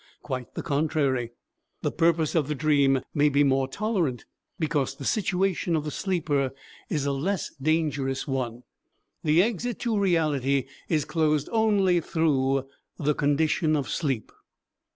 Quite the contrary; the purpose of the dream may be more tolerant, because the situation of the sleeper is a less dangerous one. The exit to reality is closed only through the condition of sleep.